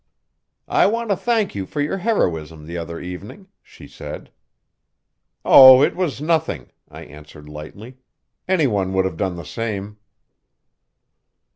"I want to thank you for your heroism the other evening," she said. "Oh, it was nothing," I answered lightly. "Any one would have done the same."